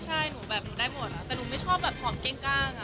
ใช่หนูได้หมดแต่หนูไม่ชอบหอมกลาง